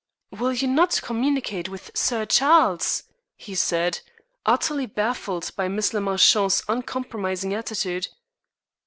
"Will you not communicate with Sir Charles?" he said, utterly baffled by Miss le Marchant's uncompromising attitude.